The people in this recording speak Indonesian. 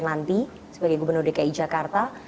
nanti sebagai gubernur dki jakarta